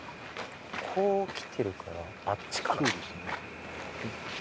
こう来てるからあっちかな。